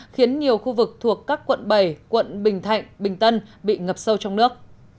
khiến nhiều khu vực thuộc các quận bảy quận bình thạnh bình tân bị ngập sâu trong nước